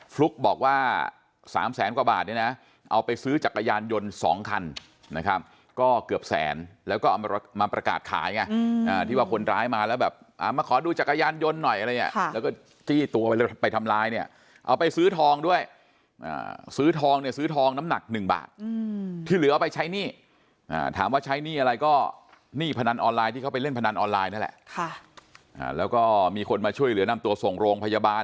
ฟลุ๊กบอกว่า๓แสนกว่าบาทเนี่ยนะเอาไปซื้อจักรยานยนต์๒คันนะครับก็เกือบแสนแล้วก็เอามาประกาศขายไงที่ว่าคนร้ายมาแล้วแบบมาขอดูจักรยานยนต์หน่อยอะไรเนี่ยแล้วก็จี้ตัวไปทำร้ายเนี่ยเอาไปซื้อทองด้วยซื้อทองเนี่ยซื้อทองน้ำหนัก๑บาทที่เหลือเอาไปใช้หนี้ถามว่าใช้หนี้อะไรก็หนี้พนันออนไลน์ที่เขาไปเล่นพนันออนไลน์นั่นแหละแล้วก็มีคนมาช่วยเหลือนำตัวส่งโรงพยาบาล